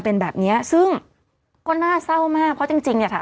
เป็นแบบเนี้ยซึ่งก็น่าเศร้ามากเพราะจริงจริงเนี่ยค่ะ